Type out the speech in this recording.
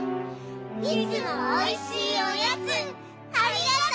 いつもおいしいおやつありがとう！